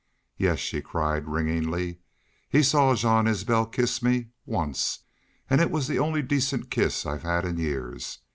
"Yes," she cried, ringingly. "He saw Jean Isbel kiss me. Once! ... An' it was the only decent kiss I've had in years.